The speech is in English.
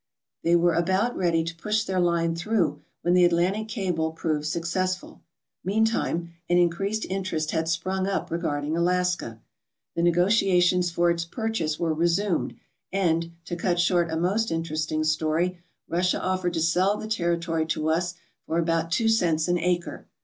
They were about ready to push their line through when the Atlantic cable proved successful. Meantime, an increased interest had sprung up regarding Alaska. The negotiations for its purchase were resumed, and, to cut short a most interesting story, Russia offered to sell the territory to us for about two cents an acre.